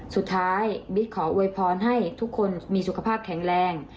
สุดท้ายบิ๊กขออวยพรให้ทุกคนมีสุขภาพแข็งแรง